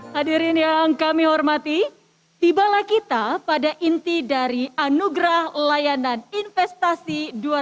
hadirin yang kami hormati tibalah kita pada inti dari anugerah layanan investasi dua ribu dua puluh